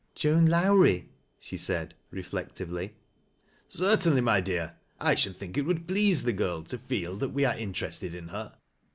" Joan Lowrie ?" she said refiectively. " Certainly, my dear. I should think it would please )he girl to feel that we are interested in her."